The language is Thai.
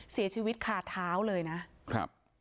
เสียชีวิตคาเท้าเลยนะครับ